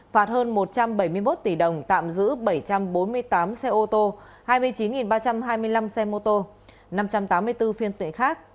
phạt hơn một trăm bảy mươi một tỷ đồng tạm giữ bảy trăm bốn mươi tám xe ô tô hai mươi chín ba trăm hai mươi năm xe mô tô năm trăm tám mươi bốn phiên tiện khác